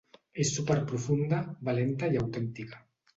És súper profunda, valenta i autèntica.